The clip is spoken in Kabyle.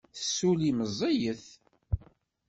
Tessulli meẓẓiyet.